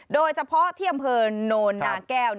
โดยเฉพาะที่อำเภอโนนนาแก้ว